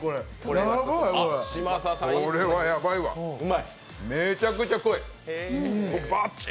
これヤバいわ、めちゃめちゃ濃い。